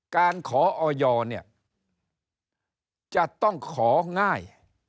การขอออยเนี่ยจะต้องของ่าย